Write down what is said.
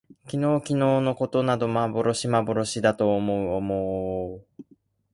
昨日きのうのことなど幻まぼろしだと思おもおう